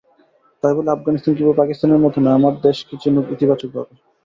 তাই বলে আফগানিস্তান কিংবা পাকিস্তানের মতো নয়, আমার দেশকে চিনুক ইতিবাচক ভাবে।